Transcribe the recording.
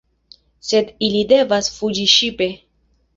Sed ili devas fuĝi ŝipe.